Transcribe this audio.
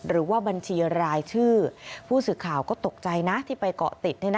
หรือว่าบัญชีรายชื่อผู้สื่อข่าวก็ตกใจนะที่ไปเกาะติด